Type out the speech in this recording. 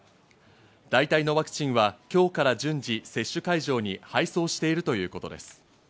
代替のワクチンは今日から順次、接種会場に配送しているということです。